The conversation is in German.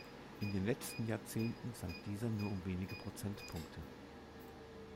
In den letzten Jahrzehnten sank dieser nur um wenige Prozentpunkte.